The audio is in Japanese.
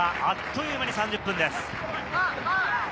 あっという間に３０分です。